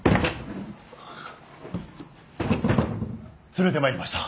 連れてまいりました。